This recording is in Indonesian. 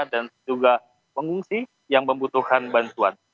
dan juga pengungsi yang membutuhkan bantuan